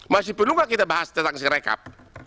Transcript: masih perlu nggak kita bahas tentang sirekap